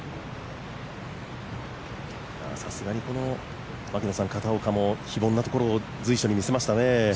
さすがに片岡も、非凡なところを随所に見せましたね。